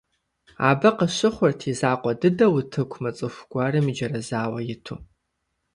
Абы къыщыхъурт и закъуэ дыдэу утыку мыцӀыху гуэрым иджэрэзауэ иту.